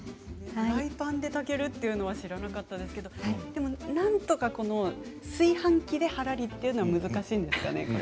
フライパンで炊けるっていうのは知らなかったですけどでもなんとか炊飯器ではらりっていうのは難しいんですかね。